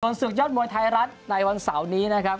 ส่วนศึกยอดมวยไทยรัฐในวันเสาร์นี้นะครับ